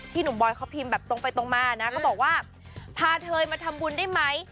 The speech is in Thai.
ที่หนุ่มบอยเค้าพิมพ์แบบตรงไปตรงมาน่ะเค้าบอกว่าพาเธอยมาทำบุญได้มั้ย